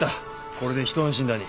これで一安心だに。